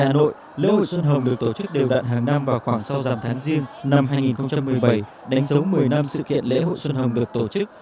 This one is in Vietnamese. hà nội lễ hội xuân hồng được tổ chức đều đạn hàng năm vào khoảng sau dàm tháng riêng năm hai nghìn một mươi bảy đánh dấu một mươi năm sự kiện lễ hội xuân hồng được tổ chức